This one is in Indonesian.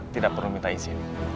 tidak perlu minta izin